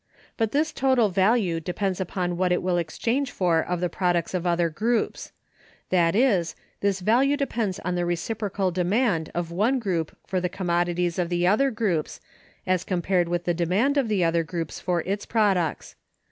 But this total value depends upon what it will exchange for of the products of other groups; that is, this value depends on the reciprocal demand of one group for the commodities of the other groups, as compared with the demand of the other groups for its products.